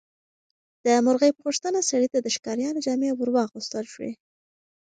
د مرغۍ په غوښتنه سړي ته د ښکاریانو جامې ورواغوستل شوې.